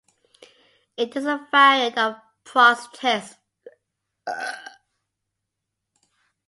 It is a variant of Proth's test.